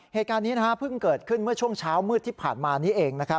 เหตุการณ์นี้เพิ่งเกิดขึ้นเมื่อช่วงเช้ามืดที่ผ่านมานี้เอง